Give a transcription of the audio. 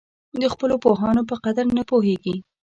د خپلو پوهانو په قدر نه پوهېږي.